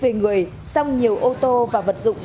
về người xong nhiều ô tô và vật dụng